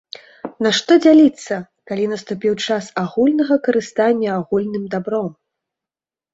Нашто дзяліцца, калі наступіў час агульнага карыстання агульным дабром?